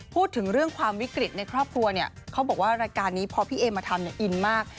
พูดถึงเรื่องความวิกฤตในครอบครัวเนี่ยเขาบอกว่ารายการนี้พอพี่เอมาทำเนี่ยอินมาก